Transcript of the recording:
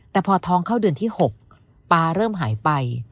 แต่พอท้องเข้าเดือนที่๖ป๊าเริ่มหายไป